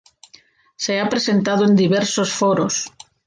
Se ha presentado en diversos foros.